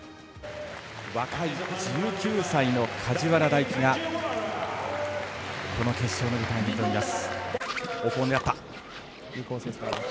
若い１９歳の梶原大暉がこの決勝の舞台に挑みます。